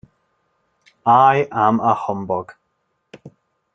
I am a humbug.